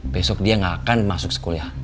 besok dia nggak akan masuk sekolah